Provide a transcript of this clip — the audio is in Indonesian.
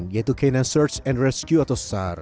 yaitu k sembilan search and rescue atau sar